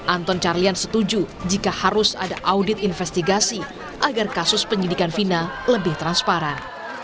anton carlian setuju jika harus ada audit investigasi agar kasus penyidikan fina lebih transparan